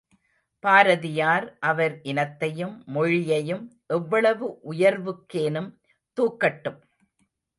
பாரதியார் அவர் இனத்தையும் மொழியையும் எவ்வளவு உயர்வுக்கேனும் தூக்கட்டும்.